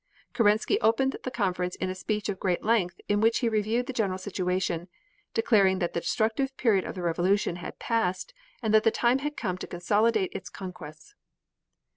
Kerensky opened the conference in a speech of great length in which he reviewed the general situation, declaring that the destructive period of the Revolution had past and that the time had come to consolidate its conquests.